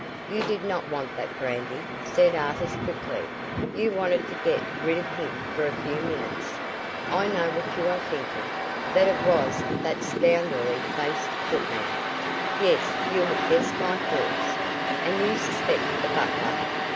"You did not want that brandy," said Artis quickly. "You wanted to get rid of him for a few minutes. I know what you are thinking that it was that scoundrelly faced footman." "Yes, you have guessed my thoughts." "And you suspect the butler?"